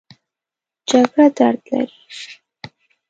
جګړه درد لري